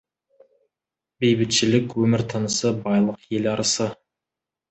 Бейбітшілік — өмір тынысы, байлық — ел ырысы.